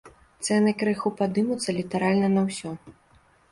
Цэны крыху падымуцца літаральна на ўсё.